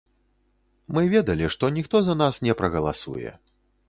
Мы ведалі, што ніхто за нас не прагаласуе.